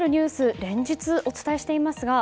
連日お伝えしていますが。